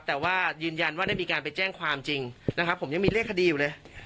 แต่ว่ายืนยันว่าได้มีการไปแจ้งความจริงนะครับผมยังมีเลขคดีอยู่เลย